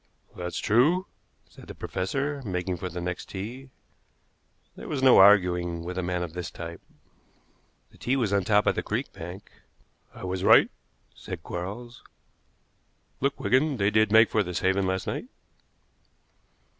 "That's true," said the professor, making for the next tee. There was no arguing with a man of this type. The tee was on the top of the creek bank. "I was right," said Quarles. "Look, Wigan, they did make for this haven last night."